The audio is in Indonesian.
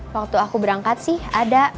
waktu aku berangkat sih ada